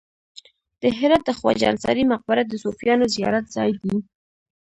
د هرات د خواجه انصاري مقبره د صوفیانو زیارت ځای دی